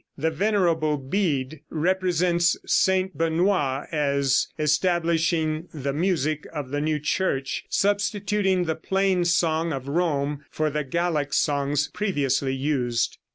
The Venerable Bede represents St. Benoit as establishing the music of the new church, substituting the plain song of Rome for the Gallic songs previously used.